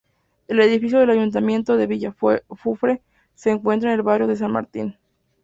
El edificio del Ayuntamiento de Villafufre se encuentra en el barrio de San Martín.